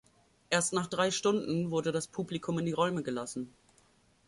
Erst nach drei Stunden wurde das Publikum in die Räume gelassen.